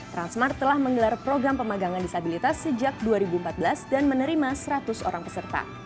transmart telah menggelar program pemagangan disabilitas sejak dua ribu empat belas dan menerima seratus orang peserta